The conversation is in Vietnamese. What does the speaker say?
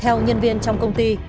theo nhân viên trong công ty